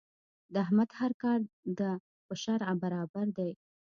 د احمد هر کار د په شرعه برابر دی.